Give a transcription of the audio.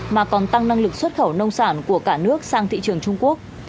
mà còn tăng năng lực xuất khẩu nông sản của cả nước sang thị trường trung quốc